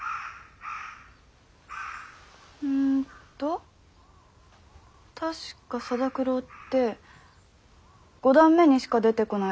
うんと確か定九郎って五段目にしか出てこない